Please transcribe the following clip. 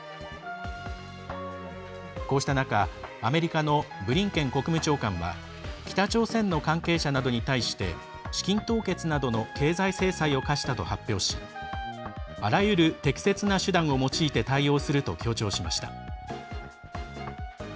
こうした中、アメリカのブリンケン国務長官は北朝鮮の関係者などに対して資金凍結などの経済制裁を科したと発表しあらゆる適切な手段を用いて対応すると強調しました。